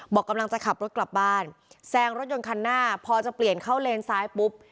บอกกำลังจะขับรถกลับบ้านแซงรถยนต์คันหน้าพอจะเปลี่ยนเข้าเลนซ้ายปุ๊บ